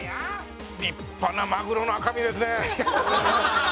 立派なまぐろの赤身ですね。